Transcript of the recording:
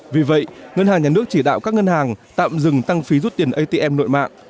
vì vậy ngân hàng nhà nước chỉ đạo các ngân hàng tạm dừng tăng phí rút tiền atm nội mạng